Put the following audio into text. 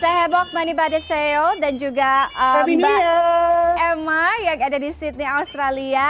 sehebok manipadeseo dan juga mbak emma yang ada di sydney australia